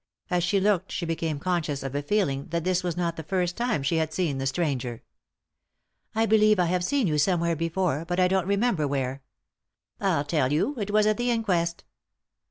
As she looked she became conscious of a feel ing that this was not the first time she had seen the stranger. " I believe I have seen you somewhere before, but I don't remember where." " I'll tell you ; it was at the inquest."